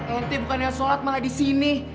ente bukan yang sholat malah disini